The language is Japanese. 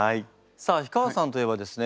さあ氷川さんといえばですね